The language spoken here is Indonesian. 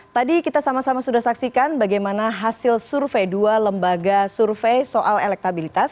tadi kita sama sama sudah saksikan bagaimana hasil survei dua lembaga survei soal elektabilitas